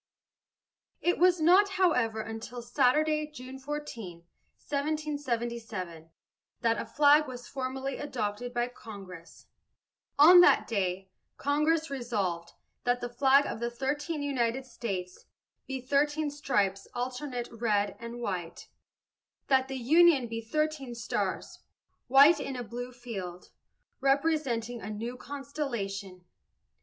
It was not, however, until Saturday, June 14, 1777, that a flag was formally adopted by Congress. On that day, Congress "Resolved, That the flag of the thirteen United States be thirteen stripes alternate red and white; that the union be thirteen stars, white in a blue field, representing a new constellation."